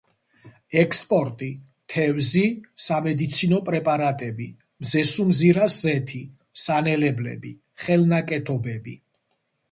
ექსპორტი: თევზი; სამედიცინო პრეპარატები; მზესუმზირას ზეთი; სანელებლები; ხელნაკეთობები.